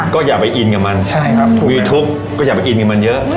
ก็อย่าไปอินกับมันใช่ครับยูทูปก็อย่าไปอินกับมันเยอะ